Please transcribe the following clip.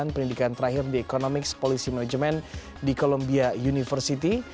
pendidikan terakhir di economics policy management di columbia university